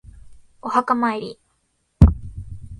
お墓参り